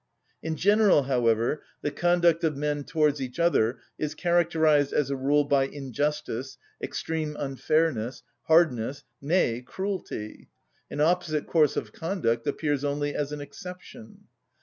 In general, however, the conduct of men towards each other is characterised as a rule by injustice, extreme unfairness, hardness, nay, cruelty: an opposite course of conduct appears only as an exception.